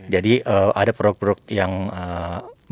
jadi ada produk produk yang wifi